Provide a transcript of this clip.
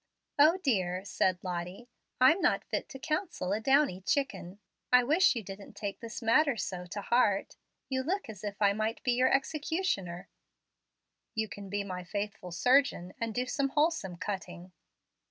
"O dear!" said Lottie. "I'm not fit to counsel a downy chicken. I wish you didn't take this matter so to heart You look as if I might be your executioner." "You can be my faithful surgeon and do some wholesome cutting."